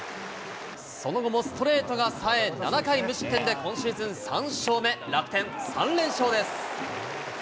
その後もストレートが冴え、７回無失点で今シーズン３勝目、楽天は３連勝です。